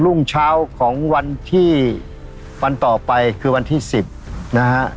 รุ่งเช้าของวันที่วันต่อไปคือวันที่๑๐นะฮะ